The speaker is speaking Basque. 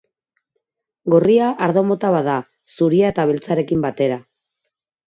Gorria ardo mota bat da, zuria eta beltzarekin batera.